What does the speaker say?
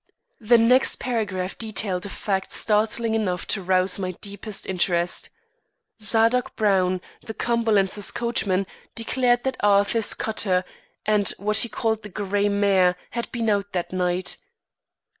The next paragraph detailed a fact startling enough to rouse my deepest interest. Zadok Brown, the Cumberlands' coachman, declared that Arthur's cutter and what he called the grey mare had been out that night.